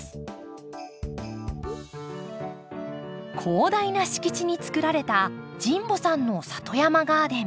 広大な敷地に作られた神保さんの里山ガーデン。